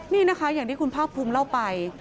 นี่นะคะอย่างที่คุณภาคภูมิเล่าไป